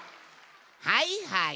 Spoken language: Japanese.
はいはい。